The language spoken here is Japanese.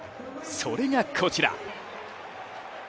それが、こちら。